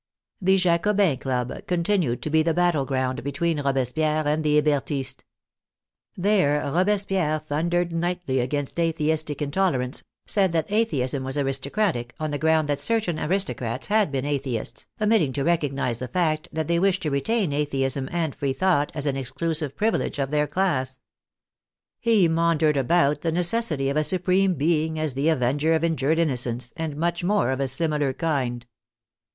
The Ja cobins' Club continued to be the battle ground between Robespierre and the Hebertists. There Robespierre thundered nightly against atheistic intolerance, said that Atheism was aristocratic, on the ground that certain aris THE FALL OF THE HEBERTISTS 83 tocrats had been Atheists, omitting to recognize the fact that they wished to retain Atheism and Freethought as an exclusive privilege of their class. He maundered about the necessity of a Supreme Being as the avenger of in jured innocence, and much more of a similar kind.